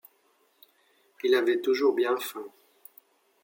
Il avait toujours bien faim.